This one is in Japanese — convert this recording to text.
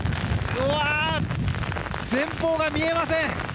前方が見えません！